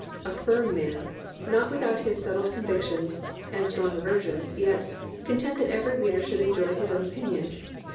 A firm man, not without his settled convictions and strong aversions, yet "content that every reader should enjoy his own opinion."